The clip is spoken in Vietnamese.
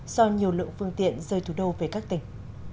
so với nhiều lượng phương tiện rơi thủ đô về các tỉnh